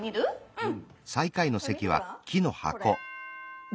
うん。